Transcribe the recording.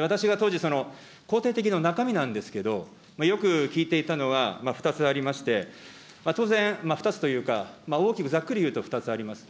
私が当時、肯定的の中身なんですけど、よく聞いていたのは、２つありまして、当然、２つというか、大きくざっくり言うと２つあります。